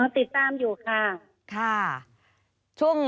ติดตามอยู่ค่ะ